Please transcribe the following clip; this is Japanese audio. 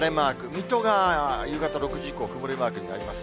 水戸が夕方６時以降、曇りマークになります。